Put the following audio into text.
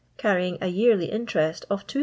carryings a yearly interest of 28602.